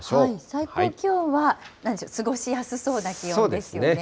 最高気温は過ごしやすそうな気温ですよね。